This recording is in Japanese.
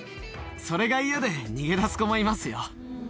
それが嫌で逃げ出す子もいますよ。